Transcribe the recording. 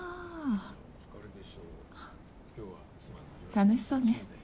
楽しそうね。